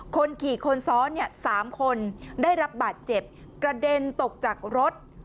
คนขี่คนซ้อน๓คนได้รับบาดเจ็บกระเด็นตกจากรถ